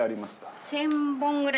１，０００本ぐらい。